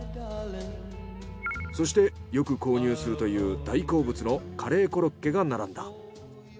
そしてよく購入するという大好物のカレーコロッケが並んだ。